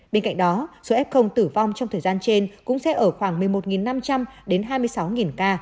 bên cạnh đó số f tử vong trong thời gian trên cũng sẽ ở khoảng một mươi một năm trăm linh đến hai mươi sáu ca